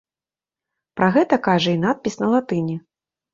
Пра гэта кажа і надпіс на латыні.